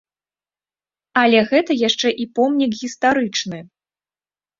Але гэта яшчэ і помнік гістарычны.